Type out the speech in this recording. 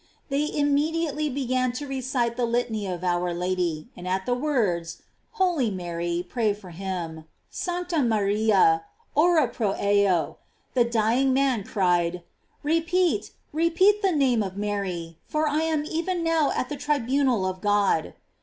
They immediately began to recite the Litany of our Lady, and at the words, Holy Mary, pray for him, "Sancta Maria, ora pro eo," the dying man cried: "Repeat, repeat the name of Mary, for I am even now at the tribunal of God."